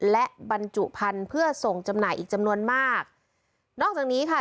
และบรรจุพันธุ์เพื่อส่งจำหน่ายอีกจำนวนมากนอกจากนี้ค่ะ